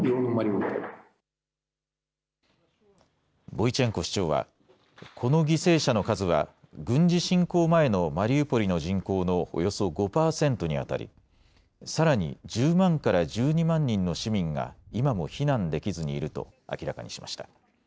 ボイチェンコ市長はこの犠牲者の数は軍事侵攻前のマリウポリの人口のおよそ５％にあたりさらに１０万から１２万人の市民が今も避難できずにいると明らかにしました。